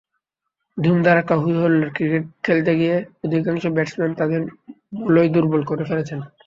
ধুম-ধাড়াক্কা, হই-হুল্লোড় ক্রিকেট খেলতে গিয়ে অধিকাংশ ব্যাটসম্যান তাঁদের মূলই দুর্বল করে ফেলছেন।